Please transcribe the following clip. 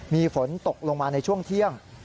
มีฝนตกลงมาในช่วงเที่ยง